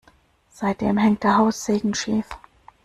Seitdem hängt der Haussegen schief.